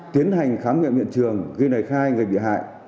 tiến hành khám nghiệm hiện trường ghi lời khai người bị hại